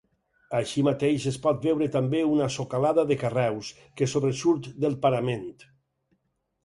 Així mateix es pot veure també una socolada de carreus que sobresurt del parament.